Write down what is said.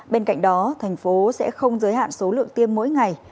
bên cạnh đó tp hcm sẽ không giới hạn số lượng tiêm mỗi ngày